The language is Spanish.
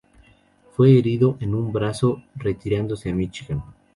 Fue herido en un brazo, retirándose a Michoacán.